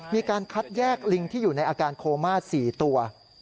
มีการคัดแยกลิงที่อยู่ในอาการโคม่า๔ตัว